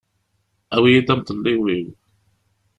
Awi-iyi-d amḍelliw-iw.